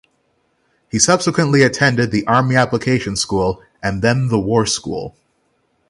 He subsequently attended the Army Application School and then the War School.